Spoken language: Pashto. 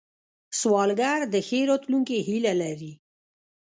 سوالګر د ښې راتلونکې هیله لري